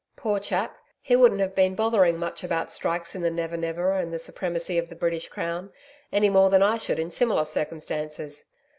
Poor chap! He wouldn't have been bothering much about strikes in the Never Never and the supremacy of the British Crown, any more than I should in similar circumstances....